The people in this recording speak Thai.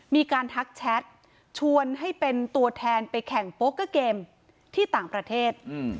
ทักแชทชวนให้เป็นตัวแทนไปแข่งโปเกอร์เกมที่ต่างประเทศ